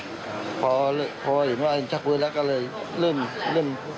เห็นกับกลางพอเห็นว่าชักปืนแล้วก็เลยเริ่มเริ่ม